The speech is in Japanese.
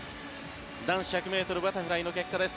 男子１００ｍバタフライの結果です。